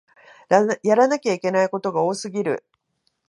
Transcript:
やらなきゃいけないことが多すぎる